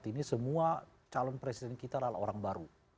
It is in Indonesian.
dua ribu dua puluh empat ini semua calon presiden kita adalah orang baru